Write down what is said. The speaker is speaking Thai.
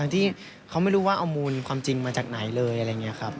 ทั้งที่เขาไม่รู้ว่าเอามูลความจริงมาจากไหนเลย